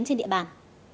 trên địa bàn